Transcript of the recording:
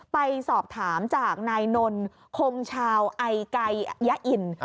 ไปสอบถามจากนายนนคงชาวไอไก่ยะอิน